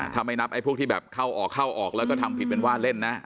ถ้าไม่นับพวกที่เข้าออกแล้วก็ทำผิดเป็นว่าเล่นนะ